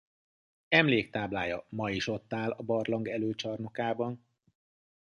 Emléktáblája ma is ott áll a barlang előcsarnokában.